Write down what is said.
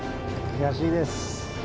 悔しいです。